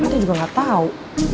tapi dia juga gak tau